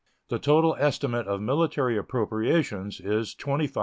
The total estimate of military appropriations is $25,205,669.